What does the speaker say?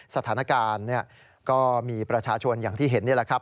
สถานการณ์ก็มีประชาชนอย่างที่เห็นนี่แหละครับ